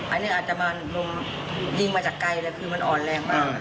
อันนี้อาจจะมาลงยิงมาจากไกลเลยคือมันอ่อนแรงมาก